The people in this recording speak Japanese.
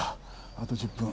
あと１０分。